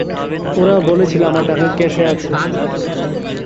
ওরা বলেছিল আমার টাকা কেসে আছে।